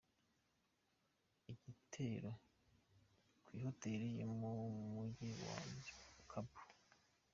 Igitero kw'ihoteri mu muji wa Kabul.